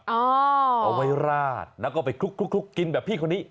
เอาไว้ราดแล้วก็ไปคลุกกินแบบพี่คนนี้